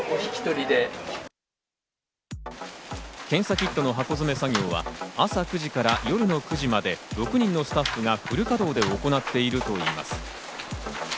検査キットの箱詰め作業は朝９時から夜の９時間まで６人のスタッフがフル稼働で行っているといいます。